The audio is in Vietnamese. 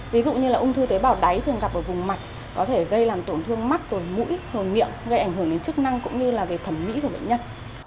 ví dụ như là ung thư tế bào đáy thường gặp ở vùng mặt có thể gây làm tổn thương mắt rồi mũi nhồi miệng gây ảnh hưởng đến chức năng cũng như là về thẩm mỹ của bệnh nhân